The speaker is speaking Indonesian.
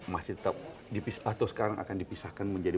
masih tetap atau sekarang akan dipisahkan menjadi